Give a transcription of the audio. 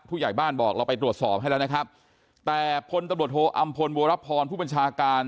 ผู้ใหญ่บ้านบอกเราไปตรวจสอบให้แล้วนะครับแต่พลตำรวจโทอำพลบัวรพรผู้บัญชาการ